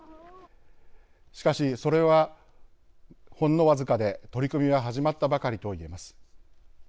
しかし、それはほんの僅かで取り組みは始まったばかりと言えます。